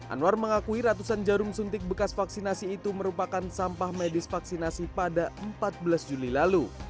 anwar mengakui ratusan jarum suntik bekas vaksinasi itu merupakan sampah medis vaksinasi pada empat belas juli lalu